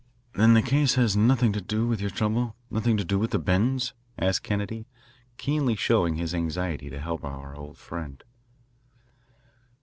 "Then the case has nothing to do with your trouble, nothing to do with the bends?" asked Kennedy, keenly showing his anxiety to help our old friend.